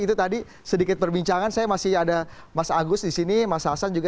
itu tadi sedikit perbincangan saya masih ada mas agus di sini mas hasan juga